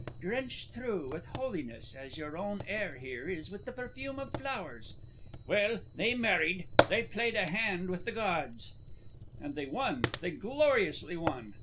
drenched through with holiness as your own air here is with the perfume of flowers. Well, they married. They played a hand with the gods " "And they won, they gloriously won!"